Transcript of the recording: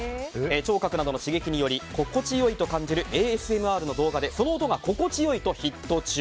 聴覚などの刺激により心地良いと感じるＡＳＭＲの動画でその音が心地良いとヒット中。